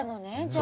あ。